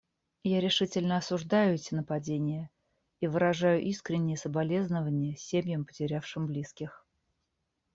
Я решительно осуждаю эти нападения и выражаю искренние соболезнования семьям, потерявшим близких.